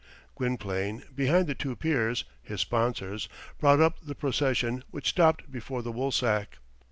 Gwynplaine, between the two peers, his sponsors, brought up the procession, which stopped before the woolsack.